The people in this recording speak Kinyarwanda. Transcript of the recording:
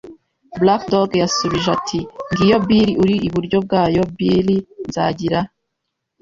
Black Dog yasubije ati: “Ngiyo, Bill, uri iburyo bwayo, Billy. Nzagira a